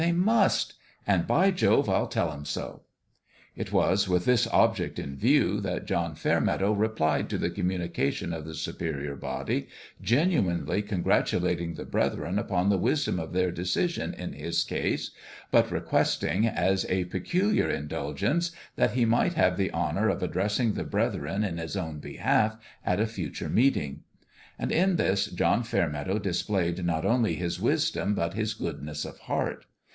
They must ! And by Jove 1 I'll tell 'em so 1 " It was with this object in view that John Fairmeadow replied to the communi cation of the Superior Body, genuinely congratu lating the brethren upon the wisdom of their decision in his case, but requesting, as a peculiar indulgence, that he might have the honour of addressing the brethren, in his own be half, at a future meeting. And in this John Fairmeadow displayed not only his wisdom but his goodness of heart.